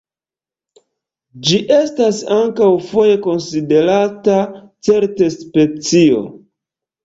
Ĝi estas ankaŭ foje konsiderata certa specio.